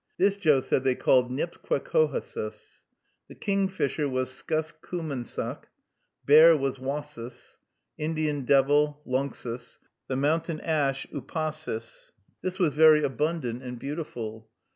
This Joe said they called nipsquecohossus. The kingfisher was skuscumonsuck; bear was wassus; Indian devil, lunxus; the mountain ash, upahsis. This was very abundant and beautiful.